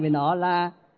với nó là